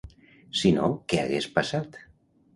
Si no què hagués passat?